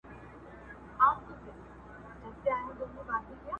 پر هر ګام باندي لحد او کفن زما دی٫